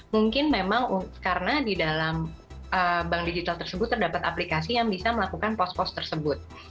mungkin memang karena di dalam bank digital tersebut terdapat aplikasi yang bisa melakukan pos pos tersebut